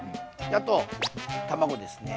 あと卵ですね。